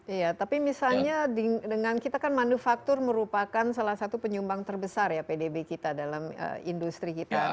iya tapi misalnya dengan kita kan manufaktur merupakan salah satu penyumbang terbesar ya pdb kita dalam industri kita